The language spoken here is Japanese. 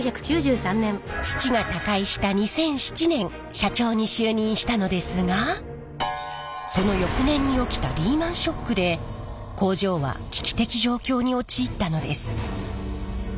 父が他界した２００７年社長に就任したのですがその翌年に起きたリーマンショックで工場は危機的状況に陥ったのです。